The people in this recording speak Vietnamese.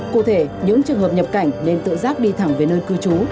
cụ thể những trường hợp nhập cảnh nên tự giác đi thẳng về nơi cư trú